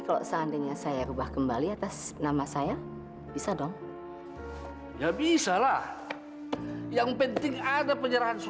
kalau seandainya saya ubah kembali atas nama saya bisa dong ya bisa lah yang penting ada penyerahan